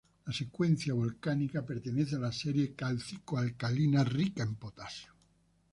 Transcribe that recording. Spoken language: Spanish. La secuencia volcánica pertenece a la serie cálcico-alcalina rica en potasio.